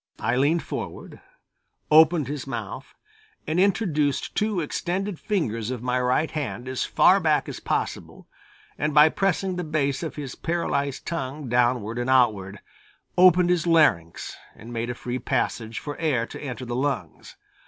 I leaned forward, opened his mouth and introduced two extended fingers of my right hand as far back as possible, and by pressing the base of his paralyzed tongue downward and outward, opened his larynx and made a free passage for air to enter the lungs.